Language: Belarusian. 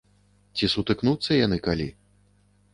Ці сутыкнуцца яны калі?